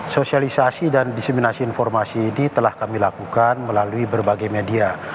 sosialisasi dan diseminasi informasi ini telah kami lakukan melalui berbagai media